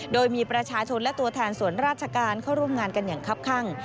โดยมีประชาชนและตัวแทนส่วนราชการเข้าร่วมงานกันอย่างคับข้าง